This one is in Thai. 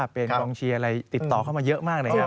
เปลี้ยงช่องเชียร์ติดต่อก็มาเยอะมากเลยครับ